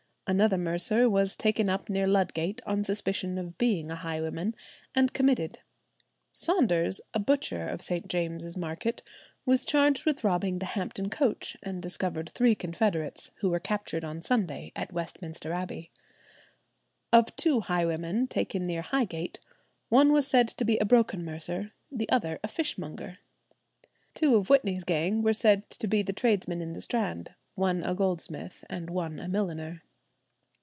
Another mercer was taken up near Ludgate on suspicion of being a highwayman, and committed. Saunders, a butcher of St. James's market, was charged with robbing the Hampton coach, and discovered three confederates, who were captured on Sunday at Westminster Abbey. "Of two highwaymen taken near Highgate, one was said to be a broken mercer, the other a fishmonger." Two of Whitney's gang were said to be the tradesmen in the Strand—one a goldsmith and one a milliner.